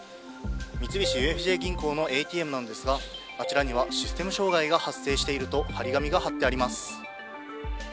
三菱ＵＦＪ銀行のＡＴＭですがこちらにはシステム障害が発生していると張り紙が張られております。